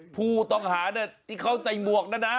ผู้ตองฮาเนี่ยที่เขาใส่บวกเลยนะ